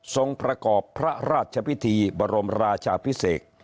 ประกอบพระราชพิธีบรมราชาพิเศษ